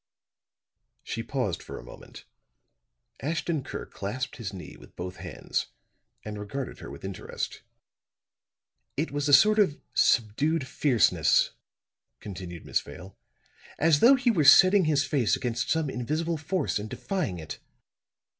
She paused for a moment; Ashton Kirk clasped his knee with both hands and regarded her with interest. "It was a sort of subdued fierceness," continued Miss Vale "as though he were setting his face against some invisible force and defying it.